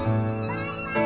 バイバイ。